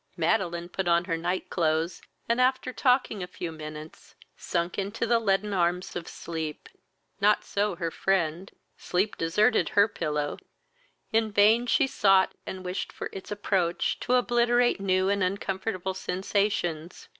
Madeline put on her night clothes, and, after talking a few minutes, sunk into the lethean arms of sleep. Not so her friend; sleep deserted her pillow: in vain she sought and wished for its approach, to obliterate new and uncomfortable sensations.